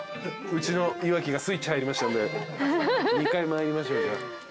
うちの岩城がスイッチ入りましたんで２階参りましょうじゃあ。